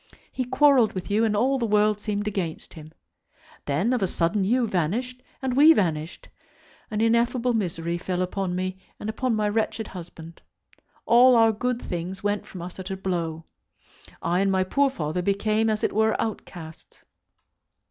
He quarrelled with you, and all the world seemed against him. Then of a sudden you vanished, and we vanished. An ineffable misery fell upon me and upon my wretched husband. All our good things went from us at a blow. I and my poor father became as it were outcasts.